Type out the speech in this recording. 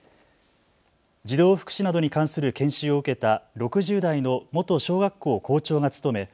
児童福祉などに関する研修を受けた６０代の元小学校校長が務め